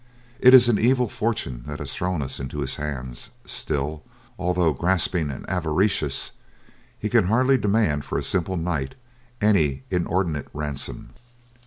It is an evil fortune that has thrown us into his hands; still, although grasping and avaricious, he can hardly demand for a simple knight any inordinate ransom.